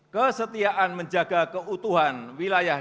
kesetiaan menjaga keutuhan wilayah